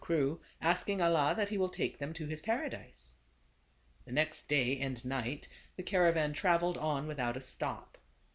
crew, asking Allah that he will take them to his Paradise. The next day and night the caravan traveled on without a stop.